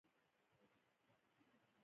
د افغانستان عنعنات تاریخي شالید لري.